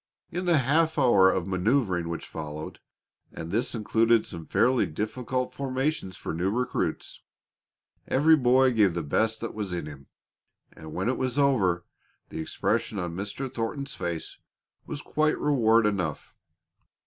In the half hour of manoeuvering which followed and this included some fairly difficult formations for new recruits every boy gave the best that was in him. And when it was all over, the expression on Mr. Thornton's face was quite reward enough.